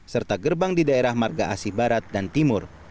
serta gerbang di daerah marga asi barat dan timur